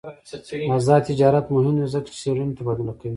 آزاد تجارت مهم دی ځکه چې څېړنې تبادله کوي.